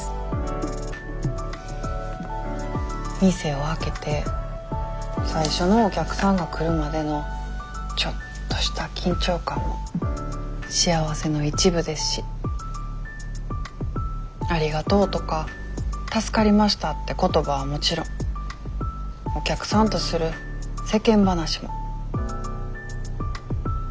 店を開けて最初のお客さんが来るまでのちょっとした緊張感も幸せの一部ですし「ありがとう」とか「助かりました」って言葉はもちろんお客さんとする世間話も。